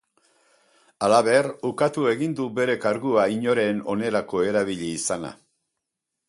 Halaber, ukatu egin du bere kargua inoren onerako erabili izana.